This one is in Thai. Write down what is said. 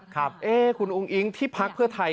ครับคุณอุ้งอิ๊งที่พักเพื่อไทย